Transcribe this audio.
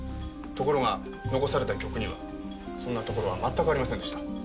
ところが残された曲にはそんなところは全くありませんでした。